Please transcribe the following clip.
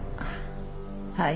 はい。